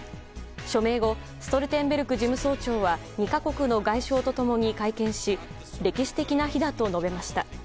署名後ストルテンベルグ事務総長は２か国の外相と共に会見し歴史的な日だと述べました。